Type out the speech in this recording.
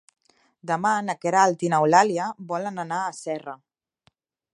Demà na Queralt i n'Eulàlia volen anar a Serra.